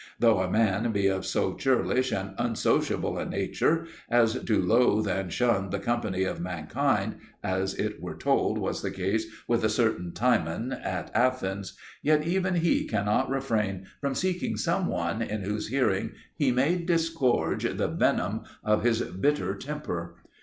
Though a man be of so churlish and unsociable a nature as to loathe and shun the company of mankind, as we are told was the case with a certain Timon at Athens, yet even he cannot refrain from seeking some one in whose hearing he may disgorge the venom of his bitter temper.